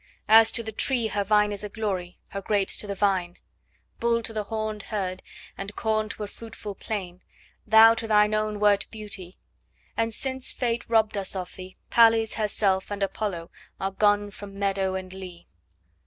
As to the tree her vine is a glory, her grapes to the vine, Bull to the horned herd, and the corn to a fruitful plain, Thou to thine own wert beauty; and since fate robbed us of thee, Pales herself, and Apollo are gone from meadow and lea.